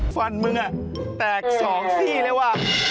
ฟันเมือง่ะแตกสองสี่เลยว่ะ